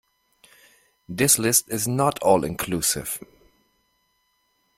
This list is not all inclusive.